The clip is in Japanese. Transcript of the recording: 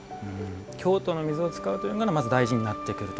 京都の水を使うというのがまず大事になってくると。